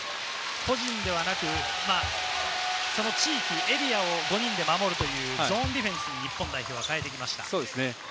個人ではなく、エリアを５人で守るというゾーンディフェンスに日本代表は変えてきました。